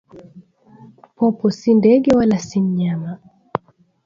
Popo si ndege wala si nyama